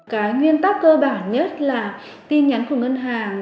cái nguyên tắc cơ bản nhất là tin nhắn của ngân hàng